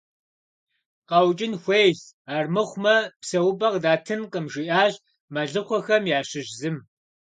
КъэукӀын хуейщ, армыхъумэ псэупӀэ къыдатынкъым, - жиӀащ мэлыхъуэхэм ящыщ зым.